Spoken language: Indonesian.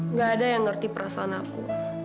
nggak ada yang ngerti perasaan aku